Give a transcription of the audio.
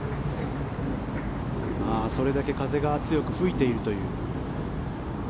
それだけ風が強く吹いているという。